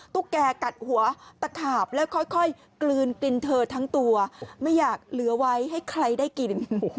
ตุ๊กแก่กัดหัวตะขาบแล้วค่อยกลืนกลิ่นเธอทั้งตัวไม่อยากเหลือไว้ให้ใครได้กิน